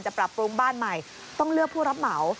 ปรับปรุงบ้านใหม่ต้องเลือกผู้รับเหมา